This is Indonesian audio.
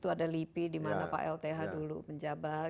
itu ada lipi dimana pak lth dulu menjabat